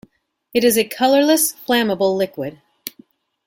It is a colorless, flammable liquid.